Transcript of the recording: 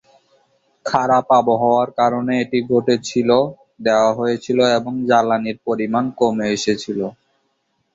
খারাপ আবহাওয়ার কারণে এটি ঘটেছিল দেওয়া হয়েছিল এবং জ্বালানির পরিমান কমে এসেছিল।